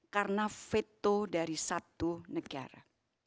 karena fituh dari satu negara